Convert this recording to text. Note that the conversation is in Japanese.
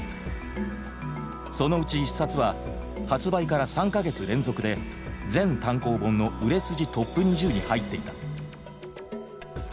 そのうち１冊は発売から３か月連続で全単行本の売れ筋トップ２０に入っていた。